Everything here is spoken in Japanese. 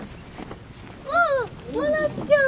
ああ真夏ちゃん。